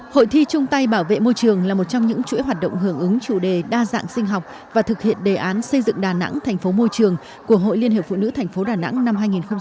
hội thi trung tay bảo vệ môi trường là một trong những chuỗi hoạt động hưởng ứng chủ đề đa dạng sinh học và thực hiện đề án xây dựng đà nẵng thành phố môi trường của hội liên hiệp phụ nữ tp đà nẵng năm hai nghìn hai mươi